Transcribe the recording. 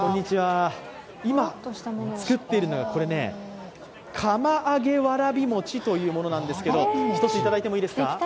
今、作っているのが釜あげわらび餅というものなんですが１ついただいてもいいですか？